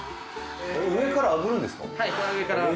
上からあぶるんですか？